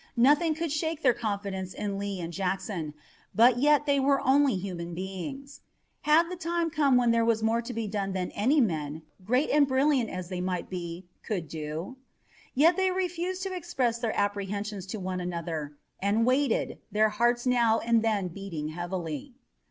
Nothing could shake their confidence in Lee and Jackson, but yet they were only human beings. Had the time come when there was more to be done than any men, great and brilliant as they might be, could do? Yet they refused to express their apprehensions to one another, and waited, their hearts now and then beating heavily.